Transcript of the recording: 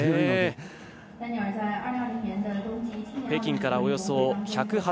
北京からおよそ１８０ｋｍ。